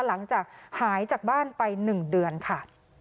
หลังจากหายจากบ้านไป๑เดือนค่ะ